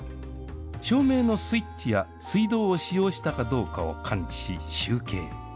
照明のスイッチや水道を使用したかどうかを感知し、集計。